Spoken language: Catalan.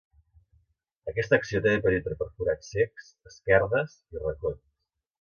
Aquesta acció també penetra per forats cecs, esquerdes i racons.